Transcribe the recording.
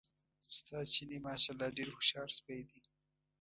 ستا چیني ماشاءالله ډېر هوښیار سپی دی.